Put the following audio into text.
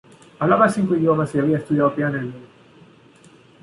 Hablaba cinco idiomas y había estudiado piano y violín.